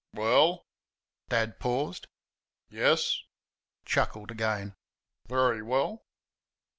"Well" (Dad paused), "yes" (chuckled again) "very well."